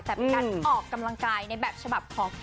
แต่เป็นการออกกำลังกายในแบบฉบับของ